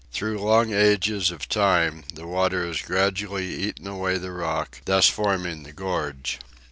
Through long ages of time the water has gradually eaten away the rock, thus forming the gorge.